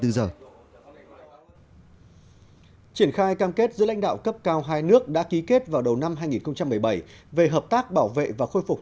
triển khai cam kết giữa lãnh đạo cấp cao hai nước đã ký kết vào đầu năm hai nghìn một mươi bảy về hợp tác bảo vệ và khôi phục